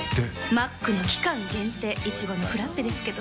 マックの期間限定、いちごのフラッペですけれど。